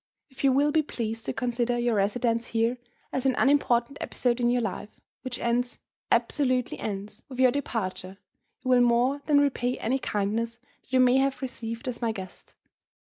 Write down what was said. If you will be pleased to consider your residence here as an unimportant episode in your life, which ends absolutely ends with your departure, you will more than repay any kindness that you may have received as my guest.